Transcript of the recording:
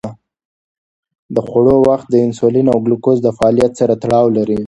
د خوړو وخت د انسولین او ګلوکوز د فعالیت سره تړاو لري.